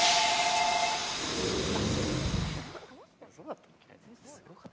そうだったっけ？